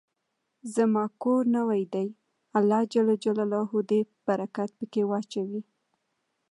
زما کور نوې ده، الله ج د برکت په کي واچوی